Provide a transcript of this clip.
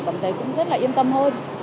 cảm thấy cũng rất là yên tâm hơn